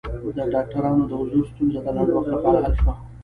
د ډاکټرانو د حضور ستونزه د لنډ وخت لپاره حل شوه.